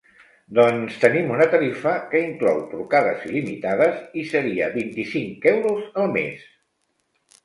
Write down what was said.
Doncs tenim una tarifa que inclou trucades il·limitades i serien vint-i-cinc euros al mes.